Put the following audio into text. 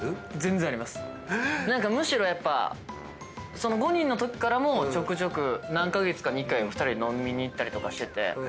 何かむしろやっぱ５人のときからもちょくちょく何カ月かに１回は２人で飲みに行ったりとかしてて。